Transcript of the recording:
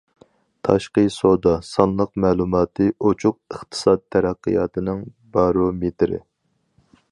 تاشقى سودا سانلىق مەلۇماتى ئوچۇق ئىقتىساد تەرەققىياتىنىڭ« بارومېتىرى».